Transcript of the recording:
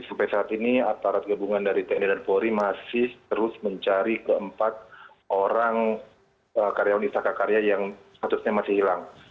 sampai saat ini aparat gabungan dari tni dan polri masih terus mencari keempat orang karyawan istaka karya yang statusnya masih hilang